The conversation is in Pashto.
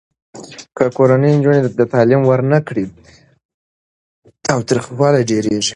که کورنۍ نجونو ته تعلیم ورنه کړي، تاوتریخوالی ډېریږي.